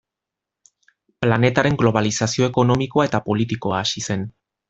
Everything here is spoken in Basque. Planetaren globalizazio ekonomikoa eta politikoa hasi zen.